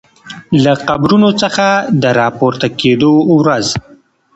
له قبرونو څخه د راپورته کیدو ورځ